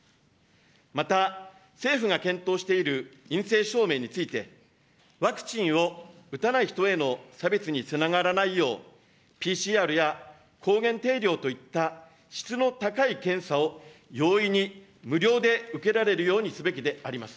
また、政府が検討している陰性証明について、ワクチンを打たない人への差別につながらないよう、ＰＣＲや抗原ていりょうといった質の高い検査を容易に、無料で受けられるようにすべきであります。